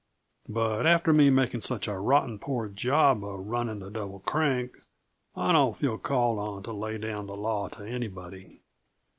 But after me making such a rotten poor job uh running the Double Crank, I don't feel called on to lay down the law to anybody!"